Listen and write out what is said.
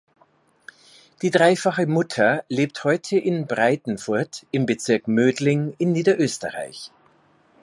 Die dreifache Mutter lebt heute in Breitenfurt im Bezirk Mödling in Niederösterreich.